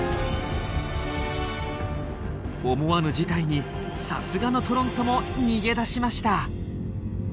思わぬ事態にさすがのトロントも逃げ出しました。